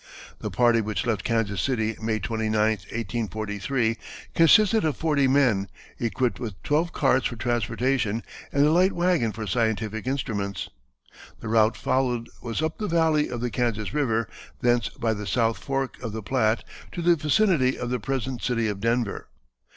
The party, which left Kansas City May 29, 1843, consisted of forty men, equipped with twelve carts for transportation and a light wagon for scientific instruments. The route followed was up the valley of the Kansas River, thence by the South Fork of the Platte to the vicinity of the present city of Denver.